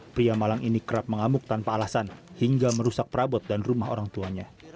pria malang ini kerap mengamuk tanpa alasan hingga merusak perabot dan rumah orang tuanya